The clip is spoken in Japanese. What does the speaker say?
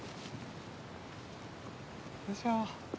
よいしょ。